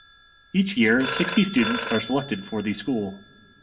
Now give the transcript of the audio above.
Each year, sixty students are selected for the school.